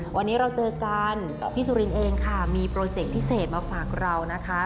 วันนี้เราเจอกันพี่สุรินเองค่ะมีโปรเจกต์พิเศษมาฝากเรานะคะ